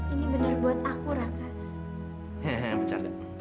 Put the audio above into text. ini benar buat aku raka